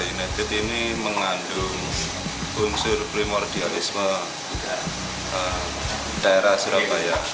united ini mengandung unsur primordialisme daerah surabaya